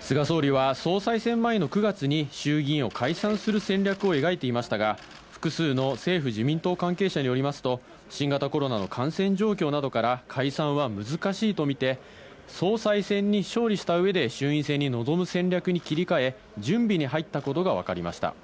菅総理は総裁選前の９月に衆議院を解散する戦略を描いていましたが、複数の政府自民党関係者によりますと、新型コロナの感染状況などから解散は難しいとみて総裁選に勝利した上で衆院選に臨む戦略に切り替え、準備に入ったことがわかりました。